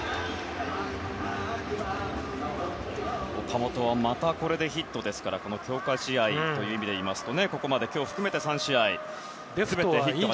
岡本はまたこれでヒットですから強化試合という意味で言いますとこの試合を含めて３試合、含めて。